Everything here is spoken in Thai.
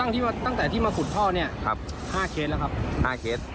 ตั้งแต่ที่มาขุนท่อถูกมีครั้ง๕ครั้ง